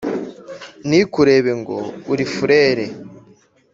ntikureba ngo uri furere